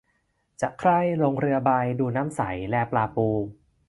จะใคร่ลงเรือใบ ดูน้ำใสแลปลาปู